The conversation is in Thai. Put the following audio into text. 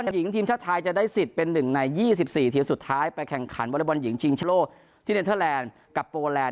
หญิงทีมชาติไทยจะได้สิทธิ์เป็นหนึ่งใน๒๔ทีมสุดท้ายไปแข่งขันบริบันหญิงชิงแชมป์โลกที่เน็ตเตอร์แลนด์กับโปรแลนด์